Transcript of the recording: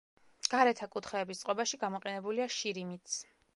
გარეთა კუთხეების წყობაში გამოყენებულია შირიმიც.